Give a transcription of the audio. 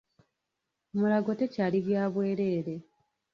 Mulago tekyali bya bwereere